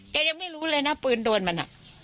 ยังไม่รู้เลยนะปืนโดนมัน